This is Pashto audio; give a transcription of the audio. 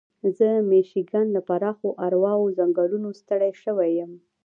زه د میشیګن له پراخو اوارو ځنګلونو ستړی شوی یم.